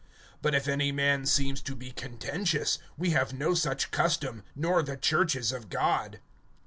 (16)But if any man seems to be contentious, we have no such custom, nor the churches of God.